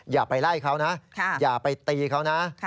อย่าไปไล่เขานะอย่าไปตีเขานะ